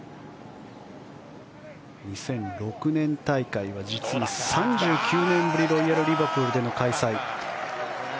２００６年大会は実に３９年ぶりのロイヤルリバプールでの開催。